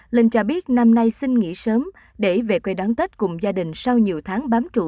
linh cho biết năm nay xin nghỉ sớm để về quê đón tết cùng gia đình sau nhiều tháng bám trụ